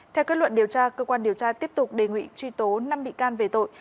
theo kết luận điều tra cơ quan điều tra tiếp tục đề nghị truy tố năm bị can về tội